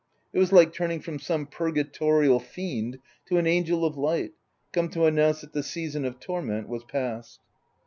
It was like turning from some purgatorial fiend to an angel of light, come to announce that the season of torment was past.